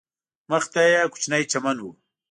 مخ ته یې کوچنی چمن و.